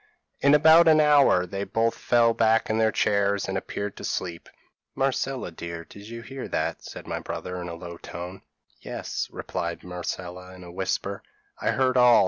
In about an hour they both fell back in their chairs and appeared to sleep. "'Marcella, dear, did you hear?' said my brother, in a low tone. "'Yes,' replied Marcella in a whisper, 'I heard all.